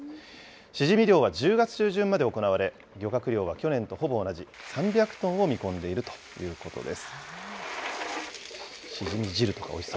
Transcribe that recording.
シジミ漁は１０月中旬まで行われ、漁獲量は去年とほぼ同じ３００トンを見込んでいるということです。